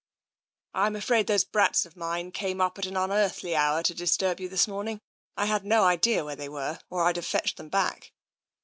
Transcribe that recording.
" I'm afraid those brats of mine came up at an unearthly hour to disturb you this morning. I had no idea where they were, or I'd have fetched them back."